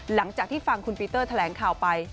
หลังจากที่ฟังคุณปีเตอร์แถลงข่าวไป